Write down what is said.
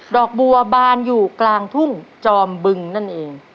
อกบัวบานอยู่กลางทุ่งจอมบึงนั่นเอง